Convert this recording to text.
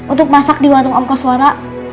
untuk masak di warung om koswara